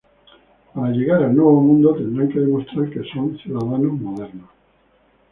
Para llegar al "Nuevo mundo" tendrán que demostrar que son ciudadanos modernos.